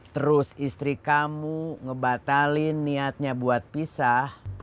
terus istri kamu ngebatalin niatnya buat pisah